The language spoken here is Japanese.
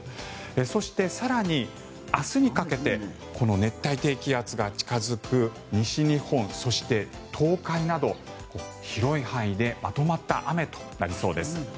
そして、更に明日にかけてこの熱帯低気圧が近付く西日本、そして東海など広い範囲でまとまった雨となりそうです。